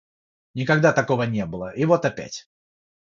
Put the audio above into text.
никогда такого не было,и вот опять.